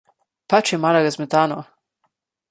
Pač je malo razmetano.